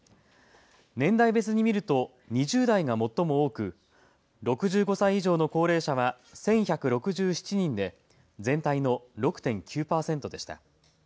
年代別に見ると２０代が最も多く６５歳以上の高齢者は１１６７人で全体の６．９％でした。